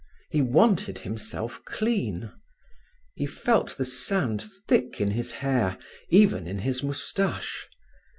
He wanted himself clean. He felt the sand thick in his hair, even in his moustache.